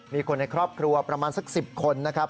มีคนในครอบครัวประมาณสัก๑๐คนนะครับ